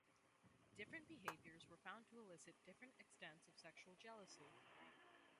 Different behaviours were found to elicit different extents of sexual jealousy.